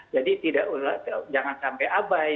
jadi tidak jangan sampai abai